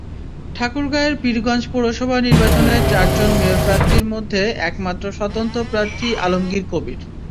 ঠাকুরগাঁওয়ের পীরগঞ্জ পৌরসভা নির্বাচনে চারজন মেয়র প্রার্থীর মধ্যে একমাত্র স্বতন্ত্র প্রার্থী আলমগীর কবির।